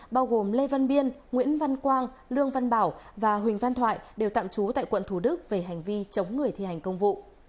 bao gồm lê văn biên nguyễn văn quang lương văn bảo và huỳnh văn thoại đều tạm trú tại quận thủ đức về hành vi chống người thi hành công vụ